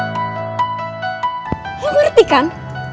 lo ngerti kan